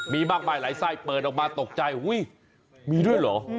มีมากมายหลายไส้เปิดออกมาตกใจอุ้ยมีด้วยเหรอ